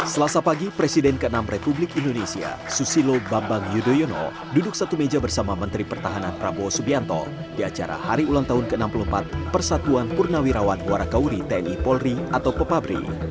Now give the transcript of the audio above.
selasa pagi presiden ke enam republik indonesia susilo bambang yudhoyono duduk satu meja bersama menteri pertahanan prabowo subianto di acara hari ulang tahun ke enam puluh empat persatuan purnawirawan warakauri tni polri atau pepabri